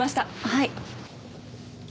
はい。